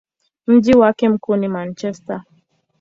Mji wake mkuu ni Manchester.